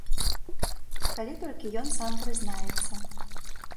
Калі толькі ён сам прызнаецца.